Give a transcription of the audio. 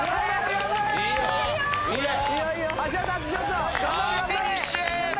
さあフィニッシュへ。